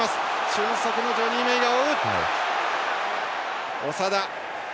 俊足のジョニー・メイが追う。